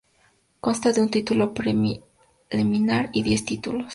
Consta de un Título Preliminar y diez Títulos.